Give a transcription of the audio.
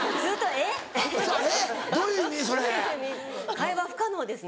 会話不可能ですね。